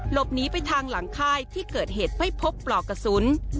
หลบหนีไปทางหลังค่ายที่เกิดเหตุไม่พบปลอกกระสุน